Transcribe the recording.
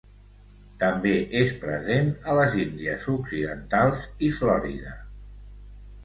També és present a les Índies Occidentals i Florida.